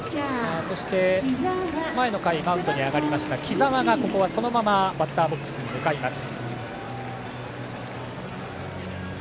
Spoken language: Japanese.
前の回マウンドに上がりました木澤はここはそのままバッターボックスに向かいます。